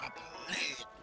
gapelit mau apa